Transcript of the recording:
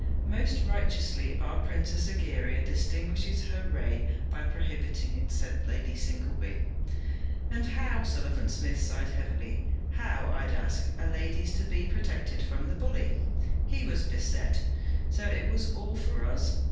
'Most righteously our Princess Egeria distinguishes her reign by prohibiting it,' said Lady Singleby. 'And how,' Sullivan Smith sighed heavily, 'how, I'd ask, are ladies to be protected from the bully?' He was beset: 'So it was all for us?